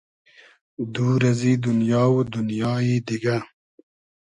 دور ازی دونیا و دونیایی دیگۂ